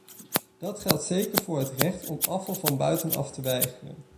Dat geldt zeker voor het recht om afval van buitenaf te weigeren.